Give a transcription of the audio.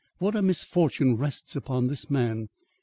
What a misfortune rests upon this man.